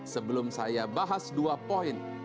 sebelum saya bahas dua poin